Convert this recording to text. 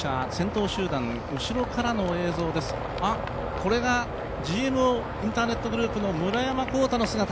これがＧＭＯインターネットグループの村山紘太の姿。